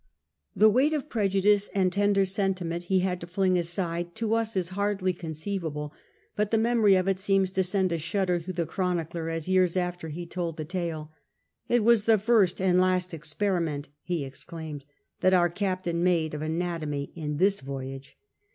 The weight of prejudice and tender sentiment he had to fling aside, to us is hardly conceivable, but the memory of it seems to send a shudder through the chronicler as years after he told the tale. "It was the first and last experiment," he exclaimed, " that our Captain made of anatomy in this voyage."